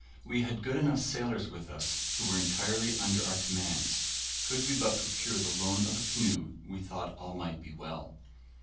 We had enough good sailors with us, who were entirely under our commands. Could we but procure the loan of a canoe, we thought all might be well.